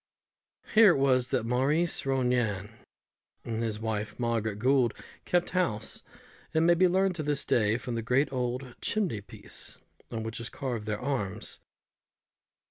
Here it was that Maurice Ronayne and his wife Margaret Gould kept house, as may be learned to this day from the great old chimney piece, on which is carved their arms.